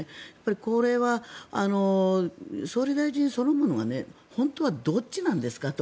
これは総理大臣そのものが本当はどっちなんですかと。